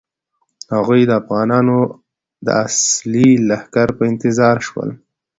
هغوی د افغانانو د اصلي لښکر په انتظار شول.